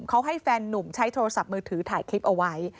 เขาให้แฟนนุ่มใช้โทรศัพท์มือถือถ่ายคลิปเอาไว้